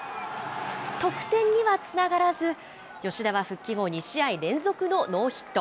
得点にはつながらず、吉田は復帰後、２試合連続のノーヒット。